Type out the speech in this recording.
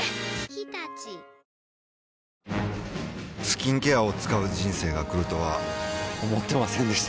スキンケアを使う人生が来るとは思ってませんでした